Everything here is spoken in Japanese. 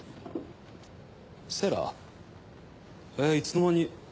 いつの間に？